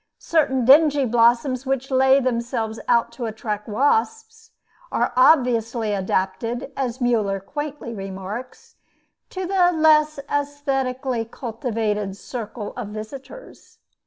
Certain dingy blossoms which lay themselves out to attract wasps, are obviously adapted, as Müller quaintly remarks, "to a less aesthetically cultivated circle of visitors."